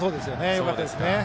よかったですね。